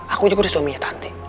aku juga udah suaminya tanti